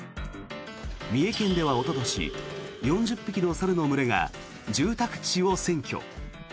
三重県ではおととし４０匹の猿の群れが住宅地を占拠。